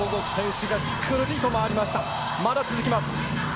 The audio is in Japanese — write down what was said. まだ続きます！